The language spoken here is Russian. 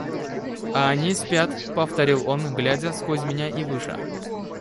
— А они спят, — повторил он, глядя сквозь меня и выше.